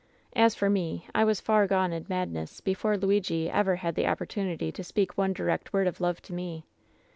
" As for me, I was far gone in madness before Luigi ever had the opportunity to speak one direct word of love to me.